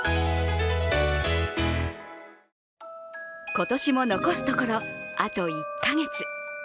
今年も残すところ、あと１か月。